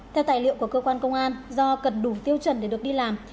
theo tài liệu của cơ quan công an do cần đủ tiêu chuẩn để được đi làm